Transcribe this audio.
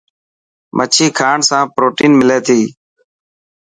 مڇي کاڻ سان پروٽين ملي ٿي.